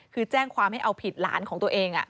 คือแจ้งความให้เอาผิดหลานของตัวเอง